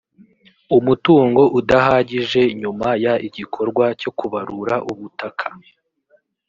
umutungo udahagije nyuma y igikorwa cyo kubarura ubutaka